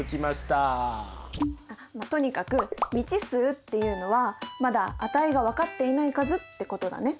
まっとにかく未知数っていうのはまだ値が分かっていない数ってことだね。